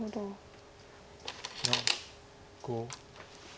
４５。